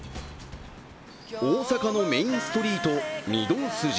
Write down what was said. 大阪のメインストリート、御堂筋。